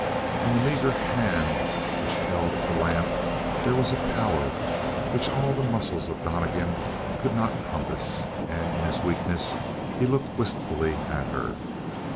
In the meager hand which held the lamp there was a power which all the muscles of Donnegan could not compass; and in his weakness he looked wistfully at her.